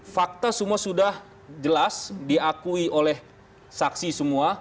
fakta semua sudah jelas diakui oleh saksi semua